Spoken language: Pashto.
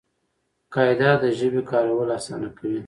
قاعده د ژبي کارول آسانه کوي.